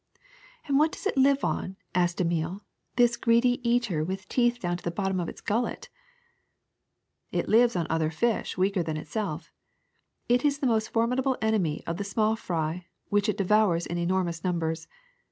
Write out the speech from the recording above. *^And what does it live on," asked Emile, ^Hhis greedy eater with teeth down to the bottom of its gullet?" ^^It lives on other fish, weaker than itself. It is the most formidable enemy of the small fry, which it devours in enormous numbers.